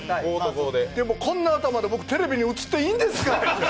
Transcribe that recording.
でも、こんな頭で僕、テレビに映っていいんですか？